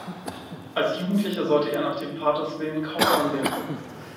Als Jugendlicher sollte er nach dem Vaters Willen Kaufmann werden.